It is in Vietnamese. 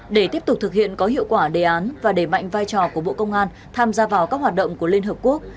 để tiếp tục thực hiện có hiệu quả đề án và đẩy mạnh vai trò của bộ công an tham gia vào các hoạt động của liên hợp quốc